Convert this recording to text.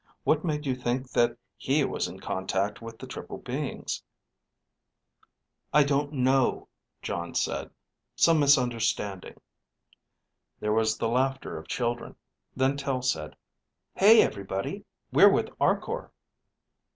What made you think that he was in contact with the triple beings?_ I don't know, Jon said. Some misunderstanding. There was the laughter of children. Then Tel said, _Hey, everybody, we're with Arkor.